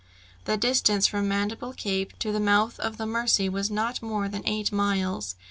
The distance from Mandible Cape to the mouth of the Mercy was not more than eight miles.